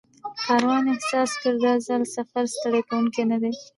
کاروان احساس کړ دا ځل سفر ستړی کوونکی نه دی.